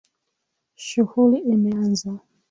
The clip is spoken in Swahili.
Shughuli imeanza.